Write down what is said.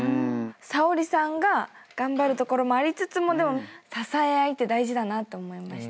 早織さんが頑張るところもありつつもでも支え合いって大事だなと思いました。